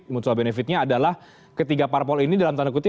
mutual benefitnya adalah ketiga parpol ini dalam tanda kutip